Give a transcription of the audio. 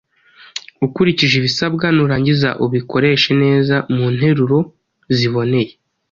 ukurikije ibisabwa nurangiza ubikoreshe neza mu nteruroziboneye